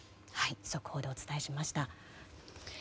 速報でお伝えしました。